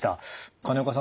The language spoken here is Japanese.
金岡さん